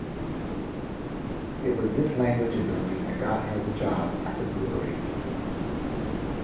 It was this language ability that got her the job at the brewery.